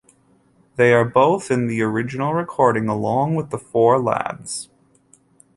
They are both in the original recording along with the Four Lads.